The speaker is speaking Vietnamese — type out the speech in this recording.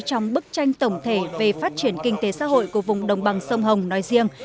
trong bức tranh tổng thể về phát triển kinh tế xã hội của vùng đồng bằng sông hồng nói riêng